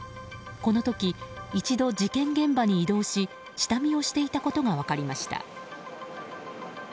この時、一度事件現場に移動し下見をしていたことが分かりました。